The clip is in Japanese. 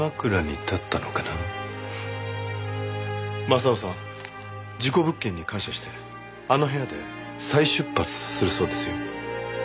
雅夫さん事故物件に感謝してあの部屋で再出発するそうですよ。